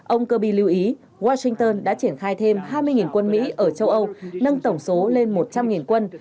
ông kirby lưu ý washington đã triển khai thêm hai mươi quân mỹ ở châu âu nâng tổng số lên một trăm linh quân